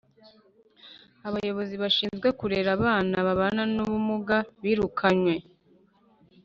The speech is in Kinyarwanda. Abayobozi bashinzwe kurera abana babana n’ubumuga birukanywe